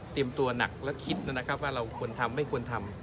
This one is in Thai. ตัวหนักและคิดนะครับว่าเราควรทำไม่ควรทำ